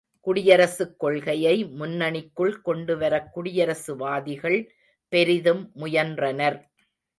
குடியரசுக் கொள்கையை முன்னணிக்குள் கொண்டுவரக் குடியரசுவாதிகள் பெரிதும் முயன்றனர்.